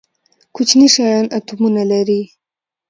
کوچني شیان اتومونه لري